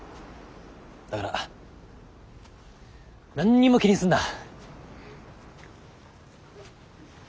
だから何にも気にすんな。